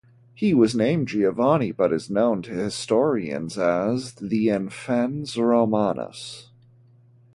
He was named Giovanni but is known to historians as the "Infans Romanus".